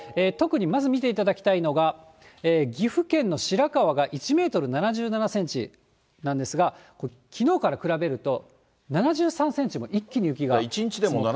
特にまず見ていただきたいのが、岐阜県の白川が１メートル７７センチなんですが、きのうから比べると、７３センチも一気に雪が積もったんです。